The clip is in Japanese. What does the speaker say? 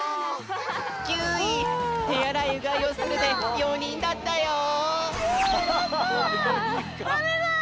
９い「てあらい・うがいをする」で４にんだったよ。ダメだ！